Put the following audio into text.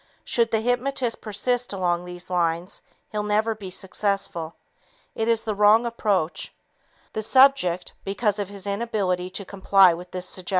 Should the hypnotist persist along these lines, he'll never be successful. It is the wrong approach. The subject, because of his inability to comply with this suggestion, is fighting a losing battle.